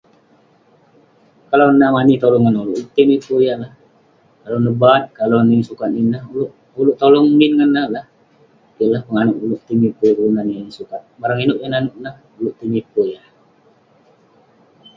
Kalau nah mani tolong ngaan ulouk, ulouk tai miper yah lah. Kalau neh baat, kalau neh yeng sukat nin nah. Ulouk tolong yah min lah. Keh lah penganouk ulouk tai miper kelunan yah yeng sukat. Barang inouk eh nanouk nah, ulouk tai miper yah.